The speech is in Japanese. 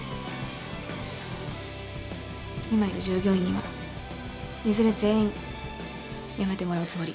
今いる従業員にはいずれ全員辞めてもらうつもり。